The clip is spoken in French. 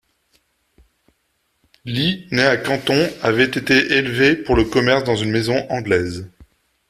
Lî, né à Canton, avait été élevé pour le commerce dans une maison anglaise.